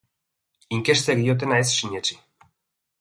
Inkestek diotena ez sinetsi.